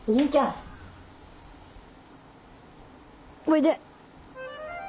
おいで。